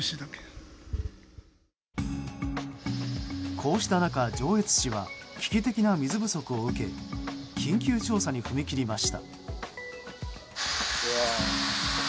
こうした中、上越市は危機的な水不足を受け緊急調査に踏み切りました。